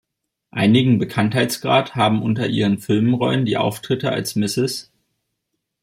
Einigen Bekanntheitsgrad haben unter ihren Filmrollen die Auftritte als Mrs.